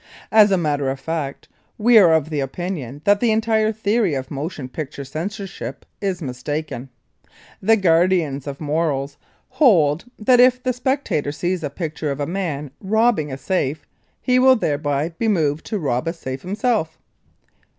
As a matter of fact, we are of the opinion that the entire theory of motion picture censorship is mistaken. The guardians of morals hold that if the spectator sees a picture of a man robbing a safe he will thereby be moved to want to rob a safe himself.